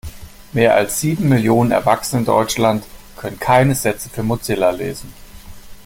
Mehr als sieben Millionen Erwachsene in Deutschland können keine Sätze für Mozilla lesen.